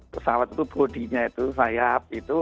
pesawat itu bodinya itu sayap itu